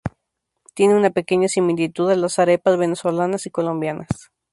Tiene una pequeña similitud a las arepas venezolanas y colombianas.